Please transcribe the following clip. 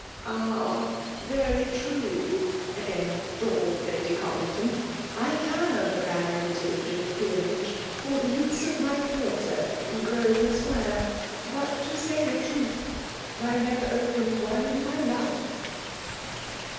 —' Ah ! very tme !' wgaih drawled Lady Caxdington; 'I koMe a B* onmetage and Peerage fisr the use of my porter, in Oxosvenor Square; but, to aay the tmtli, I never opened one in my life.